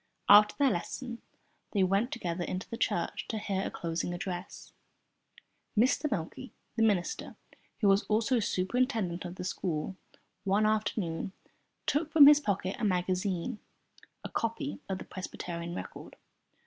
After their lesson they went together into the church to hear a closing address. Mr. Meikle, the minister, who was also superintendent of the school, one afternoon took from his pocket a magazine (a copy of the "Presbyterian Record").